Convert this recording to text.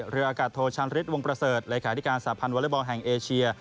เรืออากาศโทชันฤทธิ์วงประเสริฐแหล่งขายลิการสาภัณฑ์วอร์เรย์บอลแห่งเอเชีย